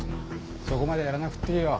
そこまでやらなくっていいよ。